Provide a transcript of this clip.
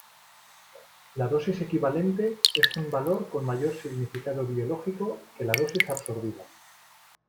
La dosis equivalente es un valor con mayor significado biológico que la dosis absorbida.